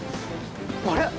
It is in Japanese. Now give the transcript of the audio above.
あれ？